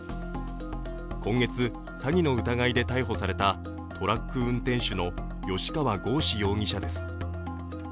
今月、詐欺の疑いで逮捕されたトラック運転手の吉川剛司容疑者です。